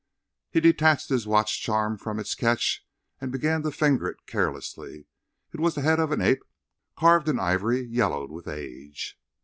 He detached his watch charm from its catch and began to finger it carelessly; it was the head of an ape carved in ivory yellowed with age.